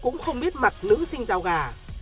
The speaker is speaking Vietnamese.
nữ sinh giao gà